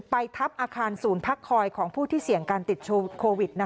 ทับอาคารศูนย์พักคอยของผู้ที่เสี่ยงการติดโควิด